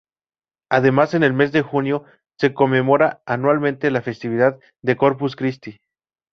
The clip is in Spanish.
Además en el mes de junio se conmemora anualmente la festividad de Corpus Christie.